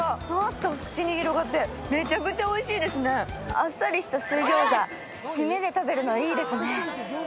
あっさりした水餃子、締めで食べるの、いいですね。